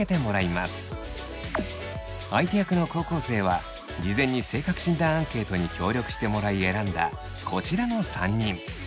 相手役の高校生は事前に性格診断アンケートに協力してもらい選んだこちらの３人。